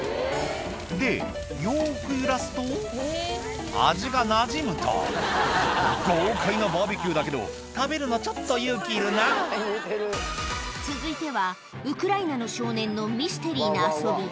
でよく揺らすと味がなじむと豪快なバーベキューだけど食べるのちょっと勇気いるな続いてはウクライナの少年のミステリーな遊び